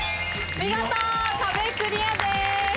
見事壁クリアです。